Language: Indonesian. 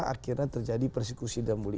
akhirnya terjadi persekusi dan bull